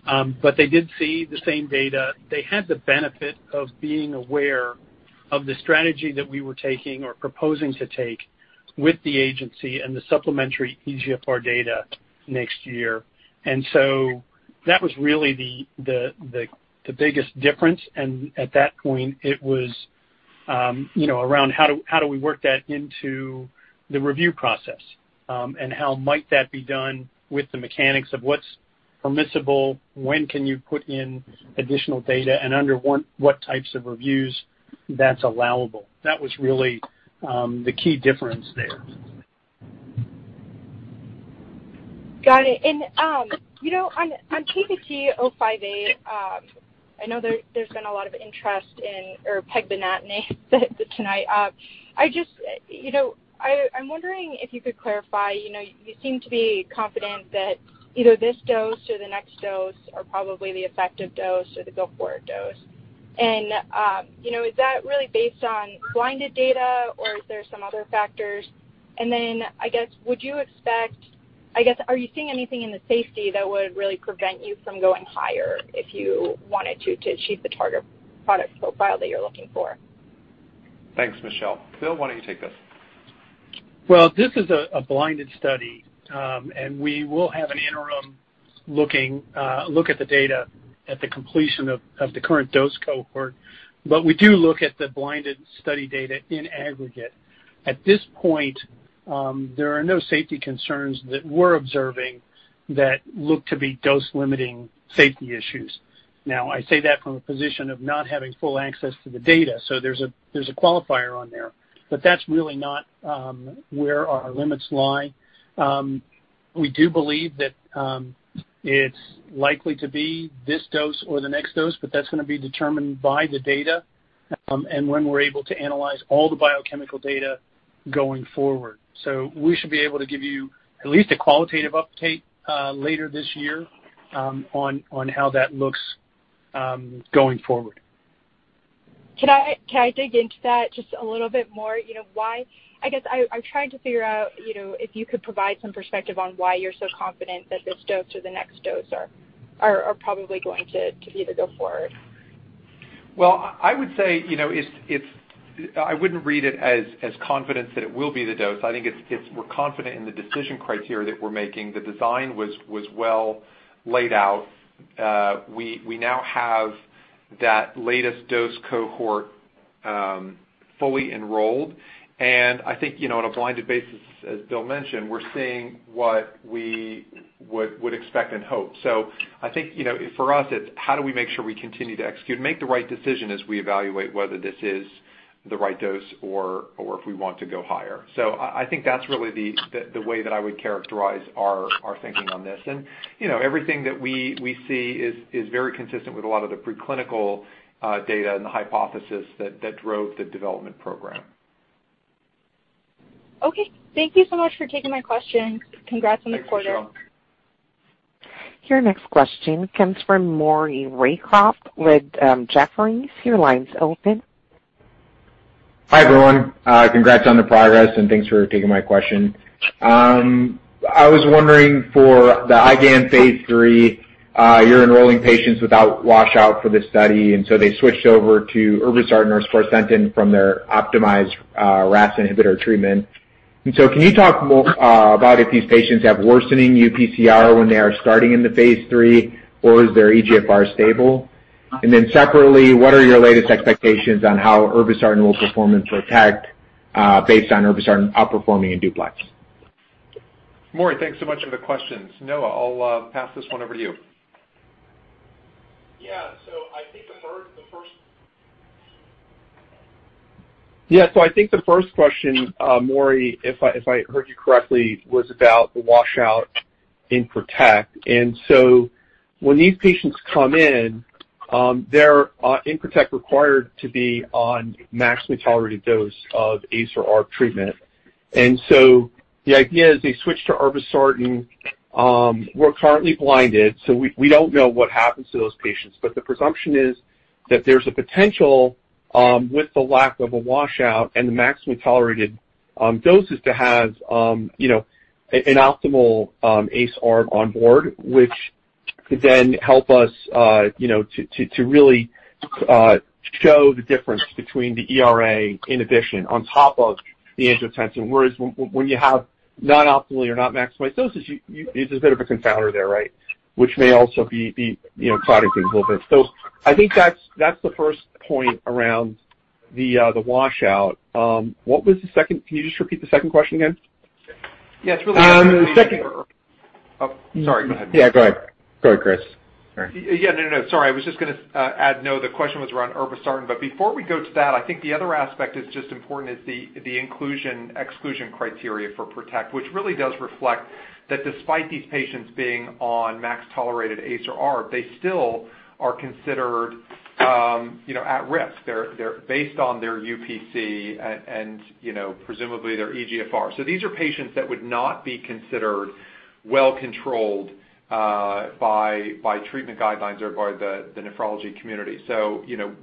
They did see the same data. They had the benefit of being aware of the strategy that we were taking or proposing to take with the agency and the supplementary eGFR data next year. That was really the biggest difference. At that point it was around how do we work that into the review process? How might that be done with the mechanics of what's permissible, when can you put in additional data, and under what types of reviews that's allowable? That was really the key difference there. Got it. On TVT-058, I know there's been a lot of interest in pegtibatinase tonight. I'm wondering if you could clarify. You seem to be confident that either this dose or the next dose are probably the effective dose or the go-forward dose. Is that really based on blinded data or is there some other factors? Are you seeing anything in the safety that would really prevent you from going higher if you wanted to achieve the target product profile that you're looking for? Thanks, Michelle. Bill, why don't you take this? Well, this is a blinded study. We will have an interim look at the data at the completion of the current dose cohort. We do look at the blinded study data in aggregate. At this point, there are no safety concerns that we're observing that look to be dose-limiting safety issues. Now, I say that from a position of not having full access to the data, so there's a qualifier on there. That's really not where our limits lie. We do believe that it's likely to be this dose or the next dose, but that's going to be determined by the data and when we're able to analyze all the biochemical data going forward. We should be able to give you at least a qualitative update later this year on how that looks going forward. Can I dig into that just a little bit more? I'm trying to figure out if you could provide some perspective on why you're so confident that this dose or the next dose are probably going to be the go forward. Well, I would say I wouldn't read it as confidence that it will be the dose. I think it's we're confident in the decision criteria that we're making. The design was well laid out. We now have that latest dose cohort fully enrolled. I think, on a blinded basis, as Bill mentioned, we're seeing what we would expect and hope. I think for us, it's how do we make sure we continue to execute and make the right decision as we evaluate whether this is the right dose or if we want to go higher. I think that's really the way that I would characterize our thinking on this. Everything that we see is very consistent with a lot of the preclinical data and the hypothesis that drove the development program. Okay. Thank you so much for taking my question. Congrats on the quarter. Thank you, Michelle. Your next question comes from Maury Raycroft with Jefferies. Your line's open. Hi, everyone. Congrats on the progress, and thanks for taking my question. I was wondering for the IgAN phase III, you're enrolling patients without washout for this study, and so they switched over to irbesartan or sparsentan from their optimized RAS inhibitor treatment. Can you talk more about if these patients have worsening UPCR when they are starting in the phase III, or is their eGFR stable? Separately, what are your latest expectations on how irbesartan will perform in PROTECT based on irbesartan outperforming in DUPLEX? Maury, thanks so much for the questions. Noah, I'll pass this one over to you. I think the first question, Maury, if I heard you correctly, was about the washout in PROTECT. When these patients come in, they're in PROTECT required to be on maximally tolerated dose of ACE or ARB treatment. The idea is they switch to irbesartan. We're currently blinded, so we don't know what happens to those patients. The presumption is that there's a potential with the lack of a washout and the maximally tolerated doses to have an optimal ACE/ARB on board, which could then help us to really show the difference between the ERA, in addition, on top of the angiotensin. Whereas when you have not optimally or not maximized doses, it's a bit of a confounder there, which may also be clouding things a little bit. I think that's the first point around the washout. Can you just repeat the second question again? Oh, sorry, go ahead. Yeah, go ahead. Go ahead, Chris. Sorry. Yeah, no, sorry. I was just going to add, no, the question was around irbesartan, but before we go to that, I think the other aspect that's just as important is the inclusion/exclusion criteria for PROTECT, which really does reflect that despite these patients being on max tolerated ACE or ARB, they still are considered at risk. Based on their UPC and presumably their eGFR. These are patients that would not be considered well controlled by treatment guidelines or by the nephrology community.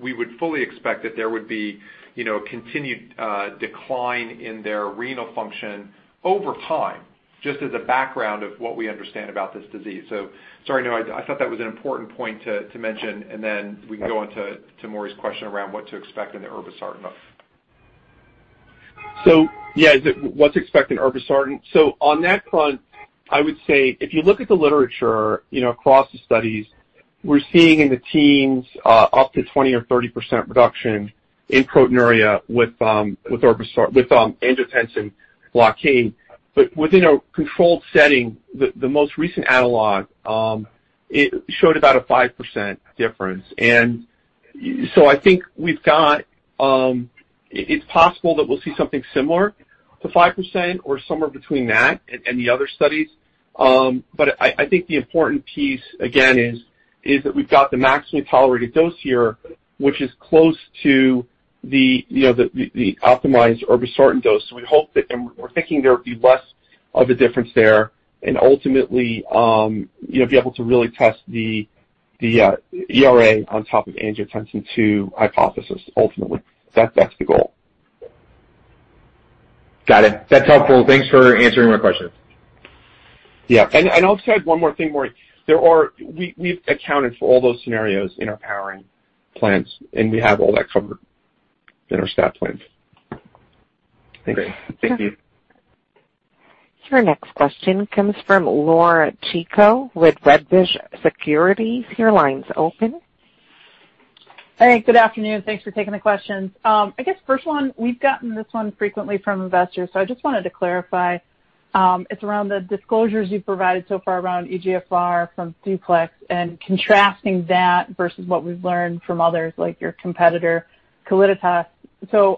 We would fully expect that there would be a continued decline in their renal function over time. Just as a background of what we understand about this disease. Sorry, no, I thought that was an important point to mention, and then we can go on to Maury's question around what to expect in the irbesartan month. What to expect in irbesartan. On that front, I would say if you look at the literature across the studies, we're seeing in the teens up to 20% or 30% reduction in proteinuria with angiotensin blockade. Within a controlled setting, the most recent analog showed about a 5% difference. I think it's possible that we'll see something similar to 5% or somewhere between that and the other studies. I think the important piece, again, is that we've got the maximally tolerated dose here, which is close to the optimized irbesartan dose. We're thinking there would be less of a difference there and ultimately, be able to really test the ERA on top of angiotensin II hypothesis ultimately. That's the goal. Got it. That's helpful. Thanks for answering my question. Yeah. I'll say one more thing, Maury. We've accounted for all those scenarios in our powering plans, and we have all that covered in our stat plans. Great. Thank you. Your next question comes from Laura Chico with Wedbush Securities. Your line's open. Hey, good afternoon. Thanks for taking the questions. I guess first one, we've gotten this one frequently from investors. I just wanted to clarify. It's around the disclosures you've provided so far around eGFR from DUPLEX and contrasting that versus what we've learned from others like your competitor, Calliditas.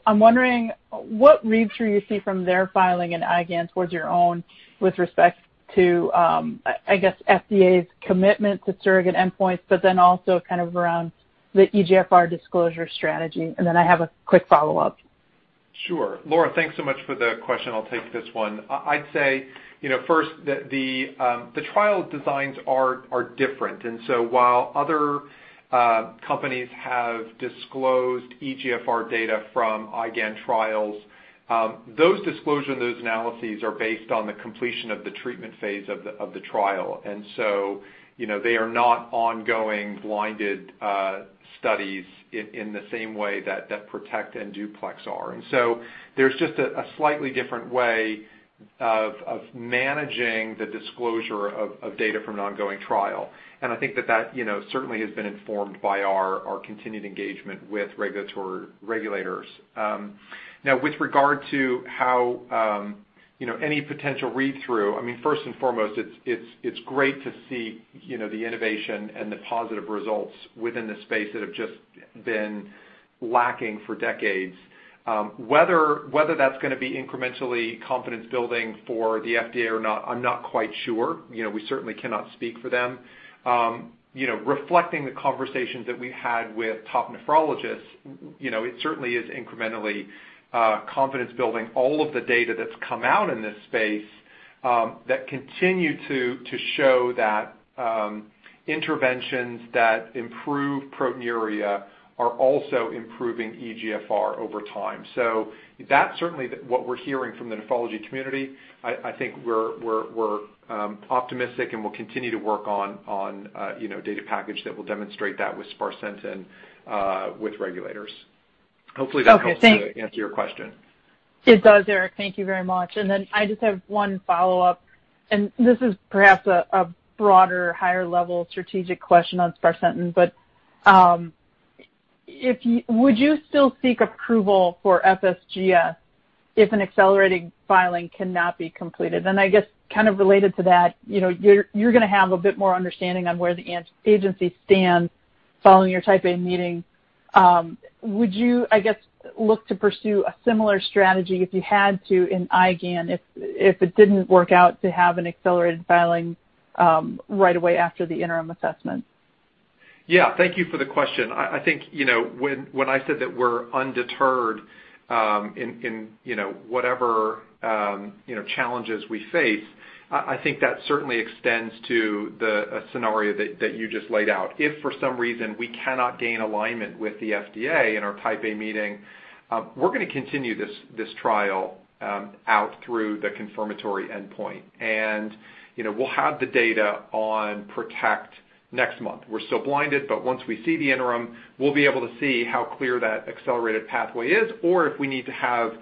I'm wondering what read-through you see from their filing and IgAN towards your own with respect to, I guess, FDA's commitment to surrogate endpoints, also kind of around the eGFR disclosure strategy. I have a quick follow-up. Sure. Laura, thanks so much for the question. I'll take this one. I'd say first that the trial designs are different. While other companies have disclosed eGFR data from IgAN trials, those disclosure and those analyses are based on the completion of the treatment phase of the trial. They are not ongoing blinded studies in the same way that PROTECT and DUPLEX are. There's just a slightly different way of managing the disclosure of data from an ongoing trial. I think that certainly has been informed by our continued engagement with regulators. Now, with regard to any potential read-through, first and foremost, it's great to see the innovation and the positive results within the space that have just been lacking for decades. Whether that's going to be incrementally confidence-building for the FDA or not, I'm not quite sure. We certainly cannot speak for them. Reflecting the conversations that we've had with top nephrologists, it certainly is incrementally confidence-building all of the data that's come out in this space that continue to show that interventions that improve proteinuria are also improving eGFR over time. That's certainly what we're hearing from the nephrology community. I think we're optimistic, and we'll continue to work on data package that will demonstrate that with sparsentan with regulators. Hopefully that helps to answer your question. Okay, thanks. It does, Eric. Thank you very much. Then I just have one follow-up, and this is perhaps a broader, higher-level strategic question on sparsentan. Would you still seek approval for FSGS if an accelerated filing cannot be completed? I guess kind of related to that, you're going to have a bit more understanding on where the agency stands following your Type A meeting. Would you, I guess, look to pursue a similar strategy if you had to in IgAN, if it didn't work out to have an accelerated filing right away after the interim assessment? Yeah. Thank you for the question. I think when I said that we're undeterred in whatever challenges we face, I think that certainly extends to the scenario that you just laid out. If for some reason we cannot gain alignment with the FDA in our Type A meeting, we're going to continue this trial out through the confirmatory endpoint. We'll have the data on PROTECT next month. We're still blinded, once we see the interim, we'll be able to see how clear that accelerated pathway is or if we need to have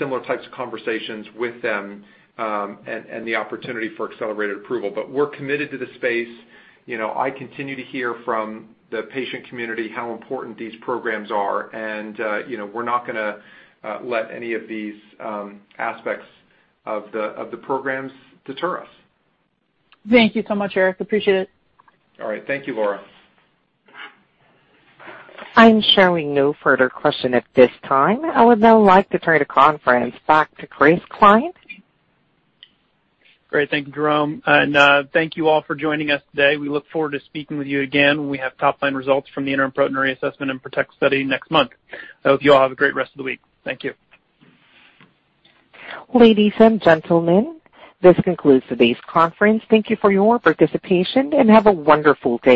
similar types of conversations with them and the opportunity for accelerated approval. We're committed to the space. I continue to hear from the patient community how important these programs are, we're not going to let any of these aspects of the programs deter us. Thank you so much, Eric. Appreciate it. All right. Thank you, Laura. I'm showing no further question at this time. I would now like to turn the conference back to Chris Cline. Great. Thank you, Jerome, and thank you all for joining us today. We look forward to speaking with you again when we have top-line results from the interim proteinuria assessment and PROTECT study next month. I hope you all have a great rest of the week. Thank you. Ladies and gentlemen, this concludes today's conference. Thank you for your participation, and have a wonderful day.